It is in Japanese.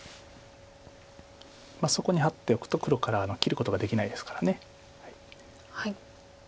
そこにハッておくと黒からは切ることができないですから。